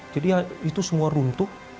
jadi itu semua runtuh